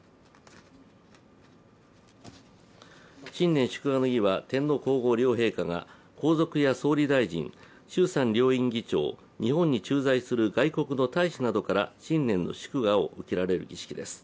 新年祝賀の儀は、天皇皇后両陛下が皇族や総理大臣、衆参両院議長、日本に駐在する外国の大使などから新年の祝賀を受けられる儀式です。